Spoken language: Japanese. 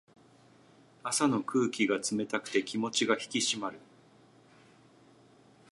朝の空気が冷たくて気持ちが引き締まる。